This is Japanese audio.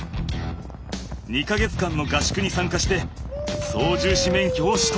２か月間の合宿に参加して操縦士免許を取得。